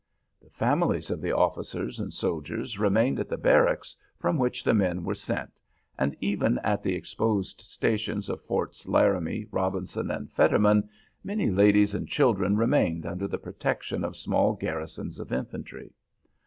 The families of the officers and soldiers remained at the barracks from which the men were sent, and even at the exposed stations of Forts Laramie, Robinson, and Fetterman, many ladies and children remained under the protection of small garrisons of infantry.